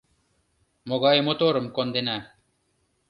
Могае моторым кондена.